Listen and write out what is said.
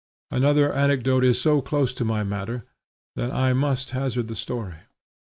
Another anecdote is so close to my matter, that I must hazard the story.